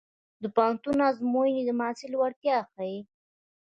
د پوهنتون ازموینې د محصل وړتیا ښيي.